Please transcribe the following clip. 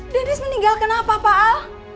dennis meninggal kenapa pak